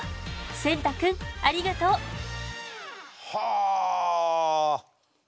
仙太くんありがとう！はあ。